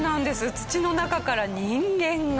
土の中から人間が。